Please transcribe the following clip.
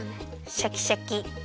シャキシャキ。